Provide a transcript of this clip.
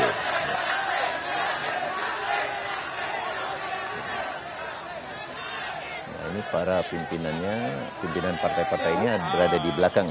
ini para pimpinannya pimpinan partai partainya berada di belakang